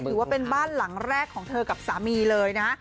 ถือว่าเป็นบ้านหลังแรกของเธอกับสามีเลยนะ